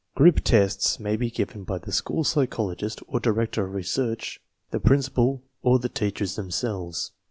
Group tests may be / givenTby the school psychologist (or director of re , search ^, the p rincipal, or the teachers themselves.